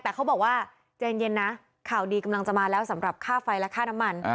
แต่เขาบอกว่าใจเย็นนะข่าวดีกำลังจะมาแล้วสำหรับค่าไฟและค่าน้ำมัน